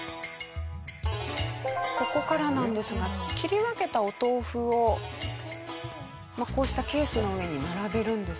ここからなんですが切り分けたお豆腐をまあこうしたケースの上に並べるんですね。